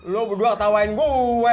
lu berdua ketawain gue